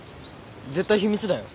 絶対秘密だよ。